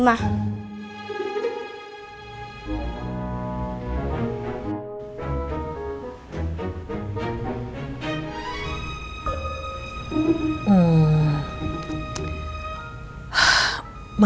emangnya tante puput minta dede bayi ma